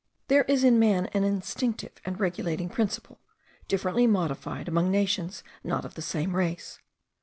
There is in man an instinctive and regulating principle, differently modified among nations not of the same race.